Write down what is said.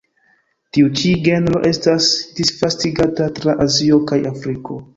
Tiu ĉi genro estas disvastigata tra Azio kaj Afriko.